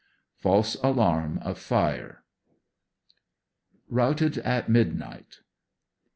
False alarm of fire. Routed at Midnight.